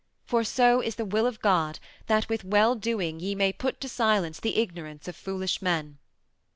For so is the will of God that with well doing ye may put to silence the ignorance of foolish men."